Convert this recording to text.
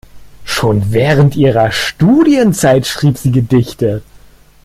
Schon während ihrer Studienzeit schrieb sie Gedichte.